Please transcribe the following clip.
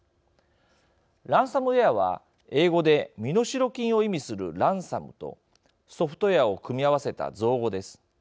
ランサムウエアは、英語で身代金を意味するランサムとソフトウエアを組み合わせた造語です。